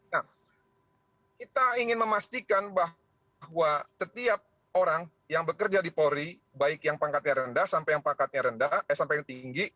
nah kita ingin memastikan bahwa setiap orang yang bekerja di polri baik yang pangkatnya rendah sampai yang tinggi